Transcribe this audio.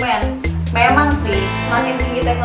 memang sih semakin tinggi teknologi semakin tinggi juga kebijakan